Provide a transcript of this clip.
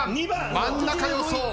真ん中予想。